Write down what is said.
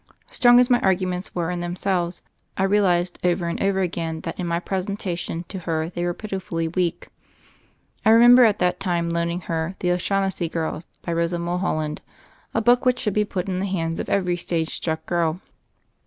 Strong as my arguments were in themselves, I realized over and over again that in my presentation to her they were pitifully weak. I remember at that time loaning her "The O'Shaughnessy Girls," by Rosa Mulholland, a book whicn should be put in the hands of every stage struck girl.